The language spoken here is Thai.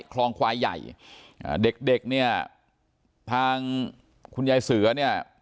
คลองควายใหญ่อ่าเด็กเด็กเนี่ยทางคุณยายเสือเนี่ย